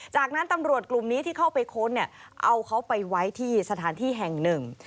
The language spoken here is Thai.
จากนั้นตำรวจกลุ่มนี้ที่เข้าไปค้นเนี่ยเอาเขาไปไว้ที่สถานที่แห่งหนึ่ง